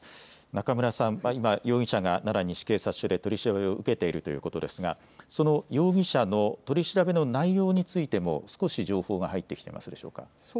中村さん、今、容疑者が奈良西警察署で取り調べを受けているということですがその容疑者の取り調べの内容についても少し情報が入ってきていますでしょうか。